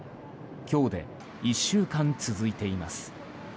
今日で１週間続いています。